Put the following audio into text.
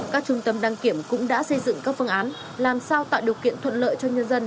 các trung tâm đăng kiểm cũng đã xây dựng các phương án làm sao tạo điều kiện thuận lợi cho nhân dân